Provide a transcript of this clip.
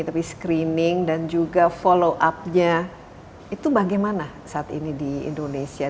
tapi screening dan juga follow up nya itu bagaimana saat ini di indonesia